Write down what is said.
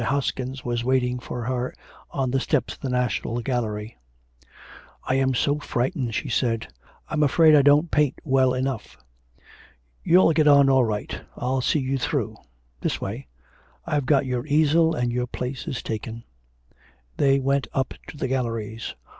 Hoskin was waiting for her on the steps of the National Gallery. 'I'm so frightened,' she said; 'I'm afraid I don't paint well enough.' 'You'll get on all right. I'll see you through. This way. I've got your easel, and your place is taken.' They went up to the galleries.